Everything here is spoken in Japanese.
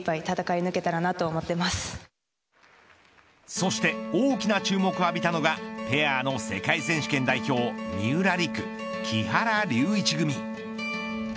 そして大きな注目を浴びたのがペアの世界選手権代表三浦璃来、木原龍一組。